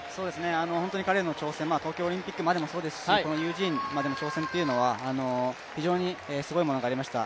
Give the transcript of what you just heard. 彼の挑戦、東京オリンピックまでもそうですしユージーンまでの挑戦というのは非常にすごいものがありました。